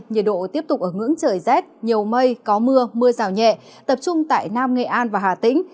nhiệt độ tiếp tục ở ngưỡng trời rét nhiều mây có mưa mưa rào nhẹ tập trung tại nam nghệ an và hà tĩnh